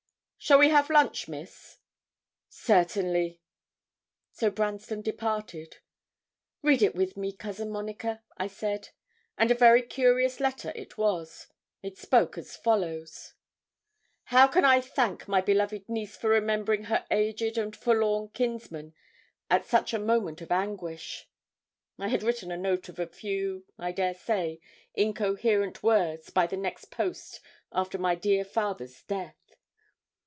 'Shall we have lunch, Miss?' 'Certainly.' So Branston departed. 'Read it with me, Cousin Monica,' I said. And a very curious letter it was. It spoke as follows: 'How can I thank my beloved niece for remembering her aged and forlorn kinsman at such a moment of anguish?' I had written a note of a few, I dare say, incoherent words by the next post after my dear father's death.